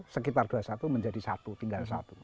sekitar dua puluh satu menjadi satu tinggal satu